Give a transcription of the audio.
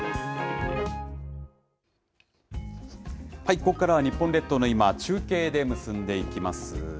ここからは、日本列島の今を中継で結んでいきます。